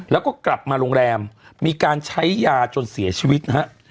แล้วก็กลับมาโรงแรมมีการใช้ยาจนเสียชีวิตนะฮะ